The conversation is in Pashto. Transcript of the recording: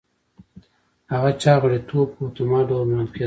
هغه چا غړیتوب په اتومات ډول منل کېده